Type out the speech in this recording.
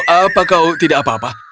apa kau tidak apa apa